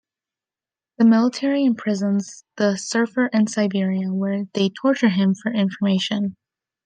The military imprisons the Surfer in Siberia, where they torture him for information.